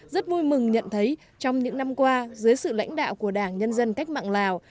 rất vui mừng nhận thấy trong những năm qua dưới sự lãnh đạo của đảng nhân dân cách mạng lào